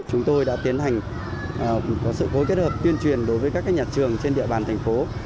chúng tôi đã tiến hành có sự phối kết hợp tuyên truyền đối với các nhà trường trên địa bàn thành phố